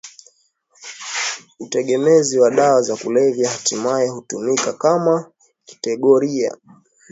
utegemezi wa dawa za kulevya hatimaye hutumika kama kategoria